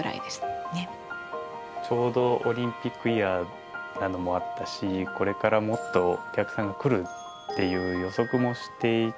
ちょうどオリンピックイヤーなのもあったしこれからもっとお客さんが来るっていう予測もしていたので。